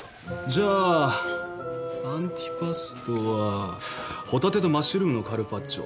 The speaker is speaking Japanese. じゃあアンティパストはホタテとマッシュルームのカルパッチョ。